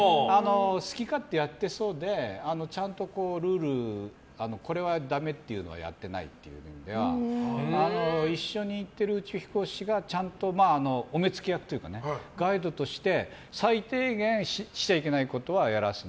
好き勝手やってそうでちゃんとルールこれはダメっていうのはやってないという意味では一緒に行ってる宇宙飛行士がちゃんとお目つき役というかガイドとして最低限しちゃいけないことはやらせない。